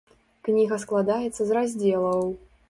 Кніга складаецца з раздзелаў.